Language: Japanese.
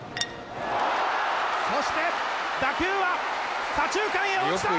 そして打球は左中間へ落ちた！